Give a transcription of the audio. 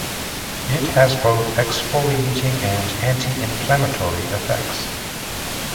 It has both exfoliating and anti-inflammatory effects.